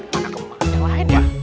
mana kebanggaan yang lain ya